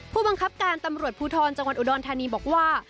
ผู้บังคับการตำรวจภูทรจังหวัดอุดรธานีบอกว่า